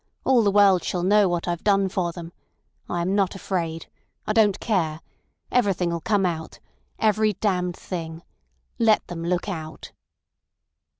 All the world shall know what I've done for them. I am not afraid. I don't care. Everything'll come out. Every damned thing. Let them look out!"